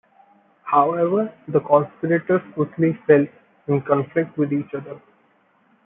However, the conspirators quickly fell in conflict with each other.